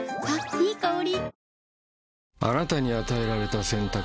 いい香り。